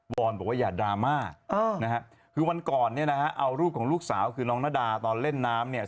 วอนบอกว่าอย่าดราม่าคือวันก่อนเอารูปของลูกสาวคือน้องน้าดาตอนเล่นน้ำ